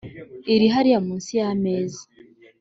iri hariya munsi yameza